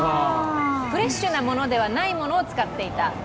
フレッシュなものではないものを使っていた？